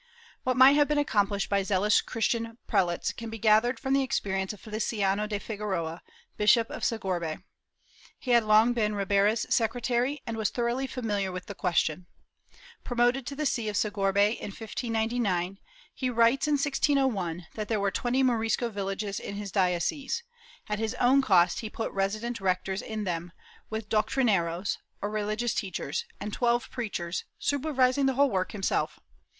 What might have been accomplished by zealous Christian pre lates can be gathered from the experience of Feliciano de Figueroa, Bishop of Segorbe. He had long been Ribera's secretary and was thoroughly familiar with the question. Promoted to the see of Segorbe, in 1599, he writes, in 1601, that there were twenty Morisco villages in his diocese; at his own cost he put resident rectors in them, with doctrineros, or religious teachers, and twelve preachers, supervising the whole work himself.